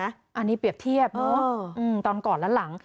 อันนี้เปรียบเทียบเนอะตอนก่อนและหลัง